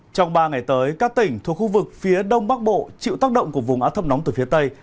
trong ba ngày tới các tỉnh thuộc khu vực phía đông bắc bộ chịu tác động của vùng áp thấp nóng từ phía tây